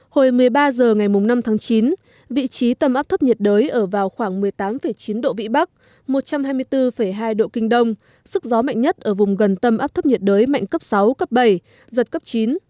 hồi một mươi ba h ngày năm tháng chín vị trí tâm áp thấp nhiệt đới ở vào khoảng một mươi tám chín độ vĩ bắc một trăm hai mươi bốn hai độ kinh đông sức gió mạnh nhất ở vùng gần tâm áp thấp nhiệt đới mạnh cấp sáu cấp bảy giật cấp chín